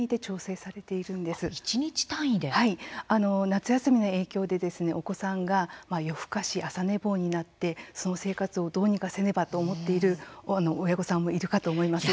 夏休みの影響でお子さんが夜更かし朝寝坊になってその生活をどうにかせねばと思っている親御さんもいるかと思います。